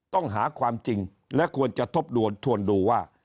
ต้องหาความจริงและควรจะทบทวนทวนดูว่า